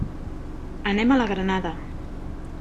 Anem a la Granada.